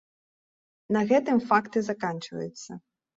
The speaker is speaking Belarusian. На гэтым факты заканчваюцца.